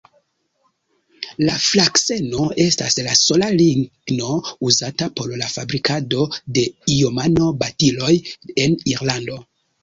La frakseno estas la sola ligno uzata por la fabrikado de iomano-batiloj en Irlando.